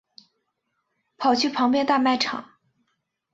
跑去旁边大卖场